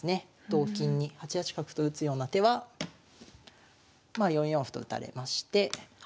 同金に８八角と打つような手はまあ４四歩と打たれまして。